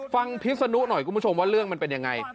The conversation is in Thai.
พิษนุหน่อยคุณผู้ชมว่าเรื่องมันเป็นยังไง